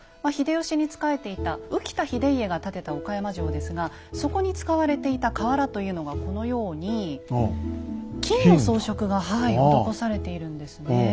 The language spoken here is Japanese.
秀吉に仕えていた宇喜多秀家が建てた岡山城ですがそこに使われていた瓦というのがこのように金の装飾が施されているんですね。